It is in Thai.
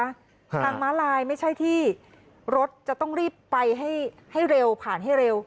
ทางม้าลายไม่ใช่ที่รถจะต้องรีบไปให้ให้เร็วผ่านให้เร็ว